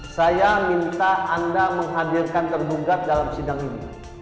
saya minta anda menghadirkan tergugat dalam sidang ini